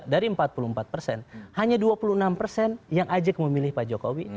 dari empat puluh empat persen hanya dua puluh enam persen yang ajak memilih pak jokowi